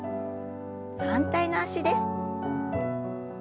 反対の脚です。